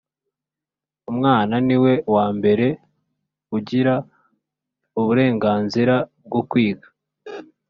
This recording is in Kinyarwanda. Umwana niwe wa mbere ugira uburenganzira bwo kwiga